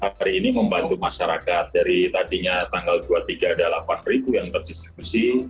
hari ini membantu masyarakat dari tadinya tanggal dua puluh tiga ada delapan yang terdistribusi